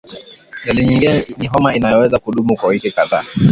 Dalili nyingine ni homa inayoweza kudumu kwa wiki kadhaa